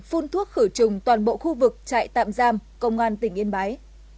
phun thuốc khử trùng toàn bộ khu vực trại tạm giam công an tỉnh yên bái